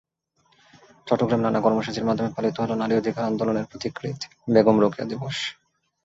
চট্টগ্রামে নানা কর্মসূচির মাধ্যমে পালিত হলো নারী অধিকার আন্দোলনের পথিকৃৎ বেগম রোকেয়া দিবস।